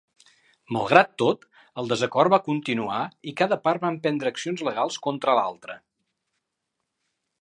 Malgrat tot, el desacord va continuar i cada part va emprendre acciones legals contra l'altra.